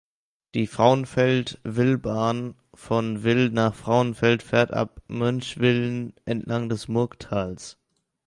Die Frauenfeld-Wil-Bahn von Wil nach Frauenfeld fährt ab Münchwilen entlang des Murgtals.